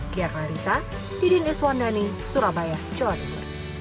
gerna risa didin eswandani surabaya jawa tenggara